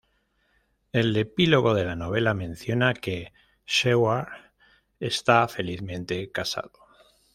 El epílogo de la novela menciona que Seward está felizmente casado.